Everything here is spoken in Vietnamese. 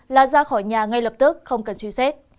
là ra khỏi nhà ngay lập tức không cần suy xét